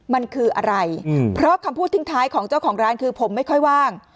มันคืออะไรเพราะคำพูดทิ้งท้ายของเจ้าของร้านคือผมไม่ค่อยว่าง